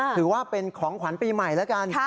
ถือว่าเป็นของขวัญปีใหม่แล้วกัน